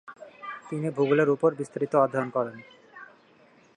তিনি ভূগোলের উপর বিস্তারিত অধ্যায়ন করেন।